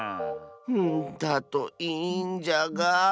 うんだといいんじゃが。